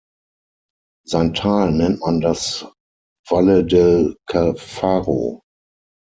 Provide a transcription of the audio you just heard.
Sein Tal nennt man das Valle del Caffaro.